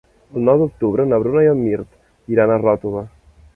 El nou d'octubre na Bruna i en Mirt iran a Ròtova.